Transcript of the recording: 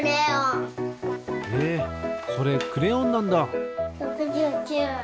へえそれクレヨンなんだ。